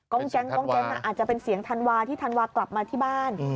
แก๊งเจ๊งอาจจะเป็นเสียงธันวาที่ธันวากลับมาที่บ้าน